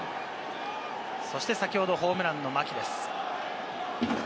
そして先ほどホームランの牧です。